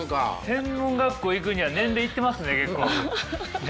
専門学校行くには年齢いってますね結構ね。